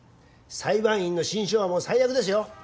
裁判員の心証はもう最悪ですよ。